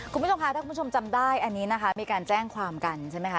คุณผู้ชมค่ะถ้าคุณผู้ชมจำได้อันนี้นะคะมีการแจ้งความกันใช่ไหมคะ